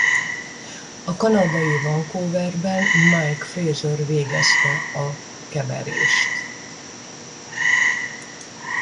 A kanadai Vancouverben Mike Fraser végezte a keverést.